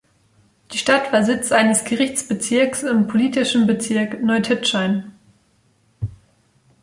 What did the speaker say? Die Stadt war Sitz eines Gerichtsbezirkes im politischen Bezirk Neutitschein.